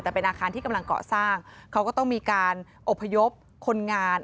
แต่เป็นอาคารที่กำลังเกาะสร้างเขาก็ต้องมีการอบพยพคนงาน